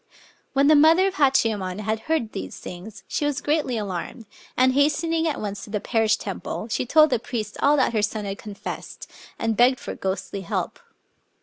When the mother of Hachiyemon had heard these things, she was greatly alarmed; and, hast ening at once to the parish temple, she told the priest all that her son had confessed, and begged for ghostly help.